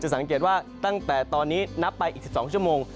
สังเกตว่าตั้งแต่ตอนนี้นับไปอีก๑๒ชั่วโมง